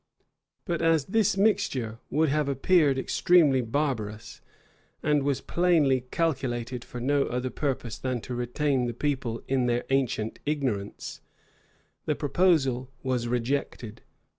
But as this mixture would have appeared extremely barbarous, and was plainly calculated for no other purpose than to retain the people in their ancient ignorance, the proposal was rejected.